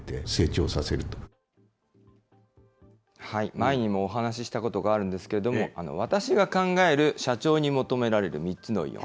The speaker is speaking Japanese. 前にもお話したことがあるんですけど、私が考える社長に求められる３つのイオン。